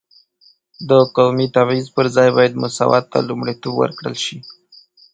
د قومي تبعیض پر ځای باید مساوات ته لومړیتوب ورکړل شي.